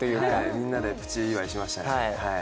みんなでプチお祝いしましたね。